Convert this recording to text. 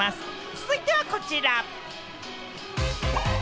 続いてはこちら。